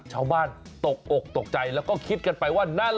ชาวบ้านตกอกตกใจ